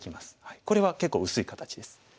これは結構薄い形です。